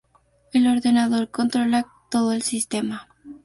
El ordenador controla todo el sistema.